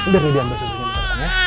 biar ini diambil susunya